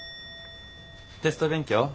テスト勉強？